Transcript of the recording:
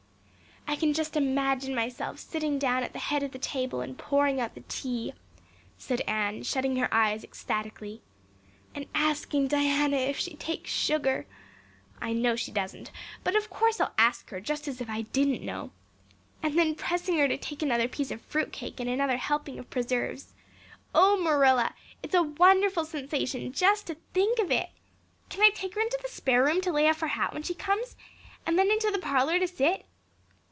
"I can just imagine myself sitting down at the head of the table and pouring out the tea," said Anne, shutting her eyes ecstatically. "And asking Diana if she takes sugar! I know she doesn't but of course I'll ask her just as if I didn't know. And then pressing her to take another piece of fruit cake and another helping of preserves. Oh, Marilla, it's a wonderful sensation just to think of it. Can I take her into the spare room to lay off her hat when she comes? And then into the parlor to sit?"